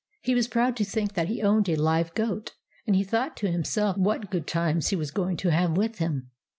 He was proud to think that he owned a live goat, and he thought to himself what good times he was going to have with him.